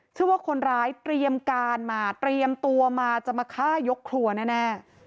เชื่อว่าคนร้ายเตรียมการมาเตรียมตัวมาจะมาฆ่ายกครัวแน่